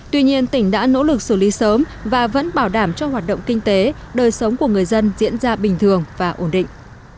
tuy nhiên tỉnh đã nỗ lực xử lý sớm và vẫn bảo đảm cho hoạt động kinh tế đời sống của người dân diễn ra bình thường và ổn định